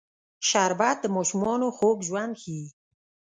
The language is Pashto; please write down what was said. شربت د ماشومانو خوږ ژوند ښيي